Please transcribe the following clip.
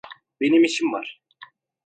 Benim işim var.